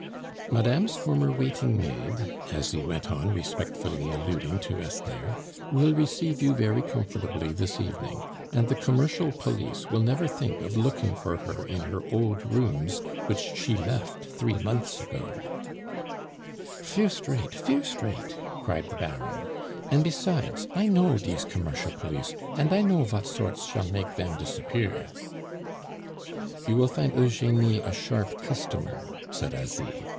"Madame's former waiting maid," Asie went on, respectfully alluding to Esther, "will receive you very comfortably this evening; and the commercial police will never think of looking for her in her old rooms which she left three months ago " "Feerst rate, feerst rate!" cried the Baron. "An' besides, I know dese commercial police, an' I know vat sorts shall make dem disappear." "You will find Eugenie a sharp customer," said Asie.